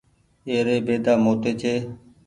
اي ري بيدآ موٽي ڇي۔